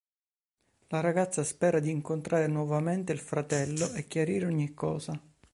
La ragazza spera di incontrare nuovamente il fratello e chiarire ogni cosa.